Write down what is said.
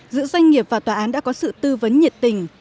giữa doanh nghiệp và tòa án đã có sự tư vấn nhiệt tình